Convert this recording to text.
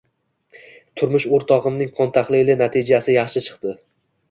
Turmush o`rtog`imning qon tahlili natijasi yaxshi chiqdi